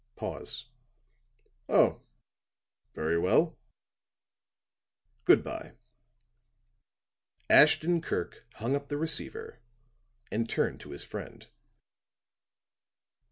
Pause. "Oh, very well. Good by." Ashton Kirk hung up the receiver and turned to his friend.